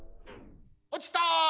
おちた。